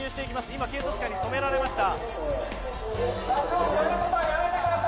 今、警察官に止められました。